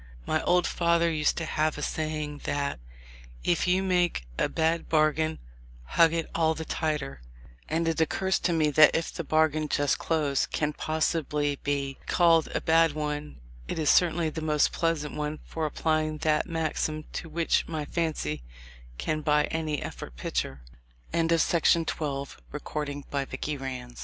My old father used to have a saying, that, 'If you make a bad bargain hug it all the tighter,' and it occurs to me that if the bargain just closed can possibly be called a bad one it is certainly the most pleasant one for apply ing that maxim to which my fancy can by any effort picture." Speed having now